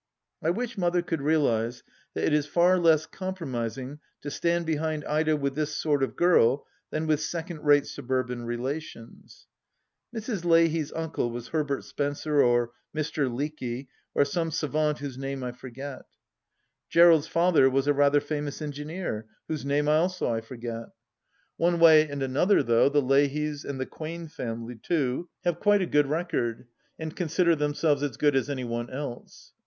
I wish Mother could realize that it is far less compromising to stand behind Ida with this sort of girl than with second rate suburban relations ! Mrs. Leahy's uncle was Herbert Spencer or Mr. Lecky, or some savant whose name I forget. Gerald's father was a rather famous engineer, whose name also I forget. One THE LAST DITCH 46 way and another, though, the Leahys, and the Quain family too, have quite a good record, and consider themselves as good as any one else.